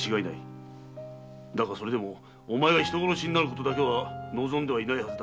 だがそれでもお前が人殺しになることは望んでいないはずだ。